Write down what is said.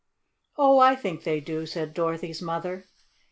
"Oh, I think they do," said Dorothy's mother.